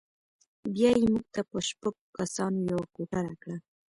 بیا یې موږ ته په شپږو کسانو یوه کوټه راکړه.